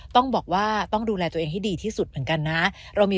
ต้องบอกว่าต้องดูแลตัวเองให้ดีที่สุดเหมือนกันนะ